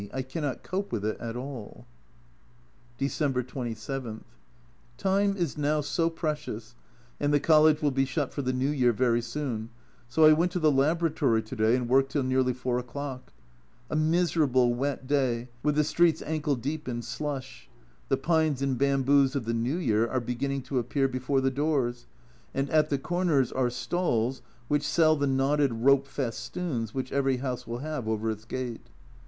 I cannot cope with it at all. December 27. Time is now so precious, and the College will be shut for the New Year very soon, so I went to the laboratory to day and worked till nearly 4 o'clock. A miserable wet day, with the streets ankle deep in slush. The pines and bamboos of the New Year are beginning to appear before the doors, 254 A Journal from Japan and at the corners are stalls which sell the knotted rope festoons which every house will have over its gate.